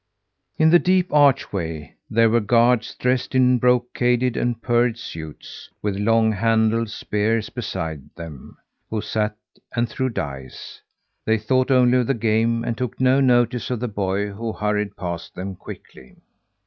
In the deep archway there were guards, dressed in brocaded and purred suits, with long handled spears beside them, who sat and threw dice. They thought only of the game, and took no notice of the boy who hurried past them quickly.